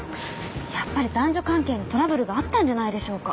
やっぱり男女関係にトラブルがあったんじゃないでしょうか？